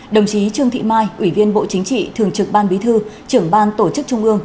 đồng chí trương thị mai ủy viên bộ chính trị thường trực ban bí thư trưởng ban tổ chức trung ương